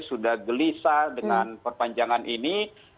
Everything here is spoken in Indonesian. sudah gelisah dengan perpanjangan ini